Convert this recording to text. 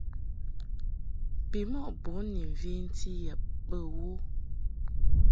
Bimɔʼ bun ni mventi yab bə wo.